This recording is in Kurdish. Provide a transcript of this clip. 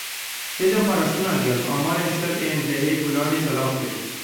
Hêzên Parastina Gel, amarên şer ên dehê Gulanê belav kir.